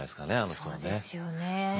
そうですよね。